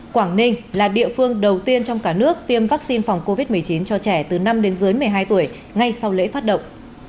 quảng ninh là địa phương đầu tiên trong cả nước tiêm vaccine phòng covid một mươi chín cho trẻ từ năm đến dưới một mươi hai tuổi ngay sau lễ phát động